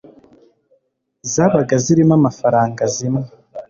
zabaga zirimo amafaranga zimwe